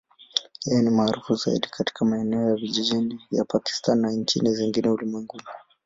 Yeye ni maarufu zaidi katika maeneo ya vijijini ya Pakistan na nchi zingine ulimwenguni.